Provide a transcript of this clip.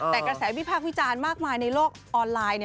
แต่กระแสวิพากษ์วิจารณ์มากมายในโลกออนไลน์